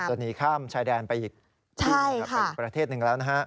หนีข้ามชายแดนไปอีกที่หนึ่งเป็นอีกประเทศหนึ่งแล้วนะฮะ